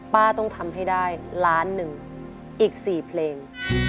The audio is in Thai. ต้องทำให้ได้ล้านหนึ่งอีก๔เพลง